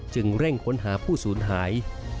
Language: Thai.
จึงเร่งค้นหาผู้ศูนย์หาย